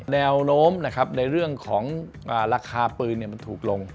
แนวโน้มนะครับในเรื่องของราคาปืนมันถูกลง